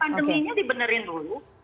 pandeminya dibenerin dulu